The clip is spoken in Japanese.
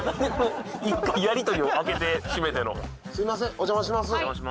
お邪魔します！